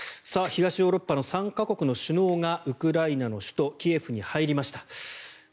東ヨーロッパの３か国の首脳がウクライナの首都キエフに入りました。